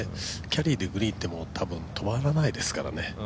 キャリーでグリーンって止まらないですね。